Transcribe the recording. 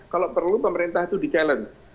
kalau perlu pemerintah itu di challenge